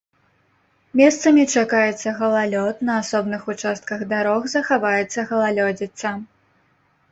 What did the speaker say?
Месцамі чакаецца галалёд, на асобных участках дарог захаваецца галалёдзіца.